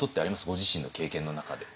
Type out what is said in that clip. ご自身の経験の中で。